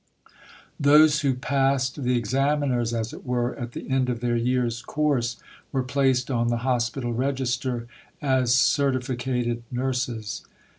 Those who "passed the examiners," as it were, at the end of their year's course, were placed on the Hospital Register as Certificated Nurses.